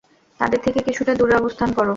তাদের থেকে কিছুটা দুরে অবস্থান করো।